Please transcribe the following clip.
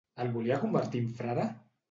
El volia convertir en frare?